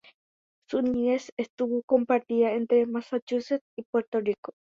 Su niñez estuvo compartida entre Massachusetts y Puerto Rico.